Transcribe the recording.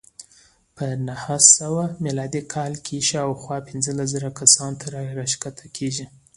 په نهه سوه میلادي کال کې شاوخوا پنځلس زره کسانو ته راښکته کېږي.